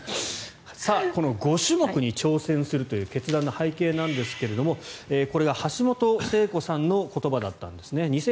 この５種目に挑戦するという決断の背景なんですがこれが橋本聖子さんの言葉だったんですね。